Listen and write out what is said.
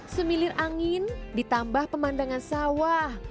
semilir angin ditambah pemandangan sawah